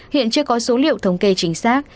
hiện chưa có số liệu thống kê chính xác